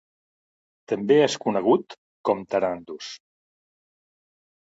També es conegut com Tarandus.